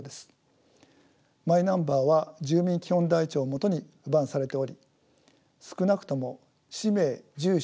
マイナンバーは住民基本台帳を基に付番されており少なくとも氏名住所